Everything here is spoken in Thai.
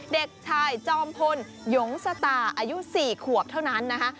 เด็กชายจอมพลหยงสตาอายุ๔ขวบเท่านั้นนะคะ